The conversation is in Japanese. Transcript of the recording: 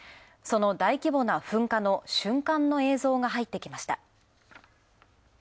その大規模な噴火の瞬間の映像が入ってきました。